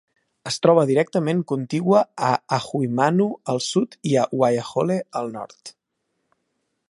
Es troba directament contigua a Ahuimanu al sud i Waiahole al nord.